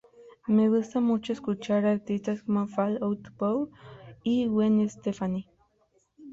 Me gusta mucho escuchar artistas como Fall Out Boy y Gwen Stefani.